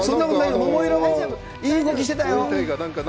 桃色もいい動きしてたよ。